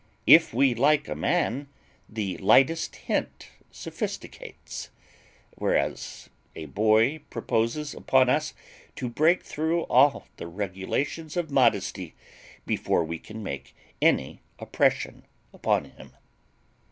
If we like a man, the lightest hint sophisticates. Whereas a boy proposes upon us to break through all the regulations of modesty, before we can make any oppression upon him."